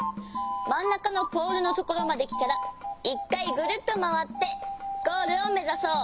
まんなかのポールのところまできたら１かいぐるっとまわってゴールをめざそう。